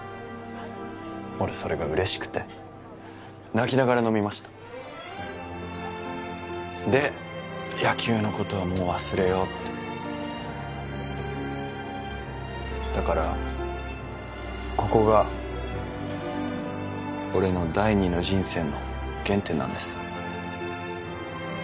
俺それが嬉しくて泣きながら飲みましたで野球のことはもう忘れようってだからここが俺の第二の人生の原点なんです